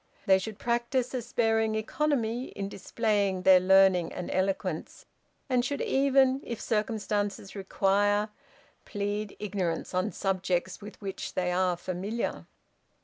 They should practise a sparing economy in displaying their learning and eloquence, and should even, if circumstances require, plead ignorance on subjects with which they are familiar."